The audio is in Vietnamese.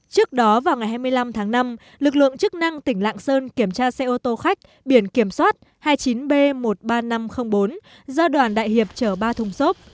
trước đó vào ngày hai mươi năm tháng năm lực lượng chức năng tỉnh lạng sơn kiểm tra xe ô tô khách biển kiểm soát hai mươi chín b một mươi ba nghìn năm trăm linh bốn do đoàn đại hiệp chở ba thùng xốp